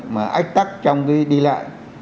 mà ách tắc trong cái đi lại